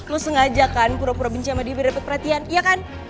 lu sengaja kan pura pura benci sama dia biar dapat perhatian iya kan